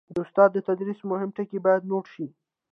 د استاد د تدریس مهم ټکي باید نوټ شي.